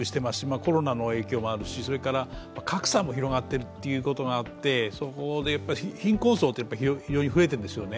コロナの影響もあるし、格差も広がっているということがあってそこでやっぱり貧困層って非常に増えているんですよね。